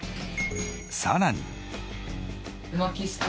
さらに。